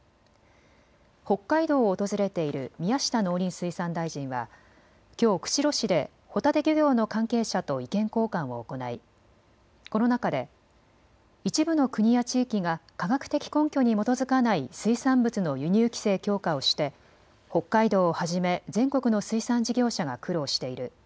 北海道を訪れている宮下農林水産大臣はきょう釧路市でホタテ漁業の関係者と意見交換を行いこの中で一部の国や地域が科学的根拠に基づかない水産物の輸入規制強化をして北海道をはじめ全国の水産事業者が苦労している。